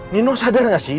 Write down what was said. nino sadar gak sih